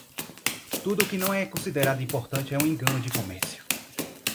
Tudo o que não é considerado importante é um engano de comércio.